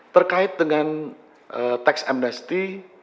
terkait dengan tax amnesty